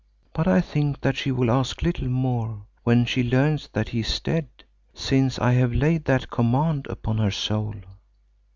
But I think that she will ask little more when she learns that he is dead, since I have laid that command upon her soul."